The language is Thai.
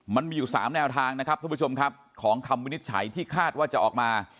มันมีอยู่๓แนวทางนะครับท่านผู้ชมครับของคำวินิจฉัยที่คาดว่าจะออกมา